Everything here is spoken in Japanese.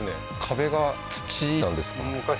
壁が土なんですか？